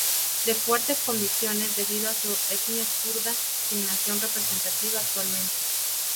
De fuertes convicciones debido a su etnia kurda sin nación representativa actualmente.